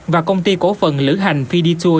và công ty cổ phần lữ hành fiditur